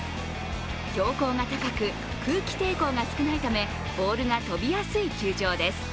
標高が高く、空気抵抗が少ないためボールが飛びやすい球場です。